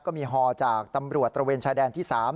ก็มีฮอจากตำรวจตระเวนชายแดนที่๓